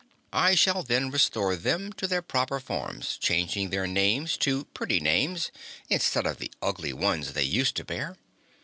I shall then restore them to their proper forms, changing their names to pretty names instead of the ugly ones they used to bear.